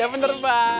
ya bener baik